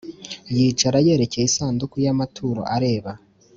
Yicara yerekeye isanduku y amaturo areba